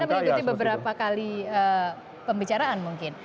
anda menikuti beberapa kali pembicaraan mungkin